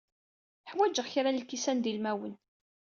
Ḥwajeɣ kra n lkisan d ilmawen.